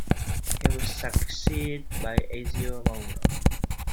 He was succeeded by Ezio Mauro.